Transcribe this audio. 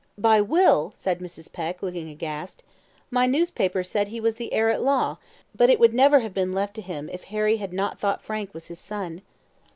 "By will!" said Mrs. Peck, looking aghast; "my newspaper said he was the heir at law; but it would never have been left to him if Harry had not thought Frank was his son."